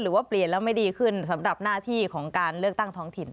หรือว่าเปลี่ยนแล้วไม่ดีขึ้นสำหรับหน้าที่ของการเลือกตั้งท้องถิ่น